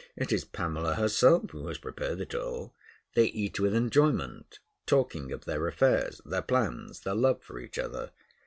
It is Pamela herself who has prepared it all. They eat with enjoyment, talking of their affairs, their plans, their love for each other.